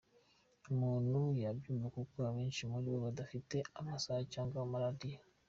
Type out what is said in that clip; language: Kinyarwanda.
umuntu yabyumva kuko abenshi muri bo badafite amasaha cyangwa amaradiyo.